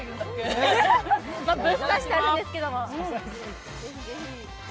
ぶっ刺してあるんですけど。